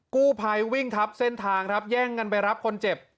กู้ภัยวิ่งทับเส้นทางครับแย่งกันไปรับคนเจ็บ